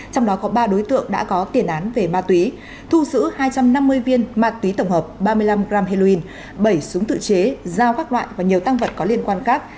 trong đó có ba đối tượng đã có tiền án về ma túy thu giữ hai trăm năm mươi viên ma túy tổng hợp ba mươi năm gram heroin bảy súng tự chế dao các loại và nhiều tăng vật có liên quan khác